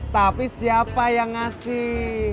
tapi siapa yang ngasih